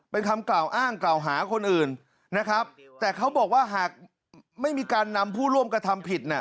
เป็นคำกล่าวอ้างกล่าวหาคนอื่นนะครับแต่เขาบอกว่าหากไม่มีการนำผู้ร่วมกระทำผิดน่ะ